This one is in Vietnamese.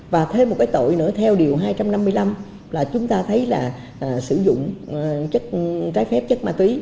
và thêm một tội nữa theo điều hai trăm năm mươi năm chúng ta thấy là sử dụng trái phép chất ma túy